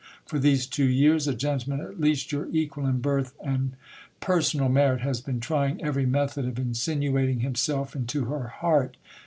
For these two years, a gentleman, at least your equal in birth and per sor.al merit, has been trying every method of insinuating himself into her heart.